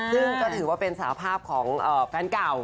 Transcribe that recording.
ซึ่งก็ถือว่าเป็นสาภาพของแฟนเก่า